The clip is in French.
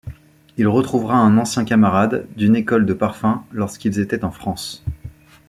Il retrouvera un ancien camarade, d'une école de parfum lorsqu'ils étaient en France.